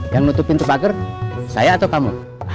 yang nutup pintu pagar saya atau kamu